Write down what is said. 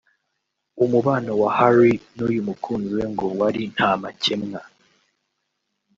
umubano wa Harry n’uyu mukunzi we ngo wari ntamakemwa